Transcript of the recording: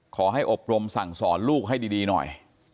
ขอให้อบรมสั่งสอนลูกให้ดีหน่อย